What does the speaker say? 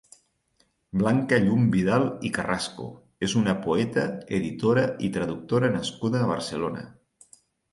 Blanca Llum Vidal i Carrasco és una poeta, editora i traductora nascuda a Barcelona.